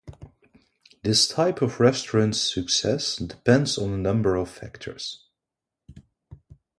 This type of restaurant's success depends on a number of factors.